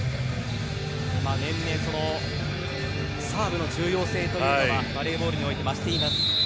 年々サーブの重要性というのはバレーボールにおいて増しています。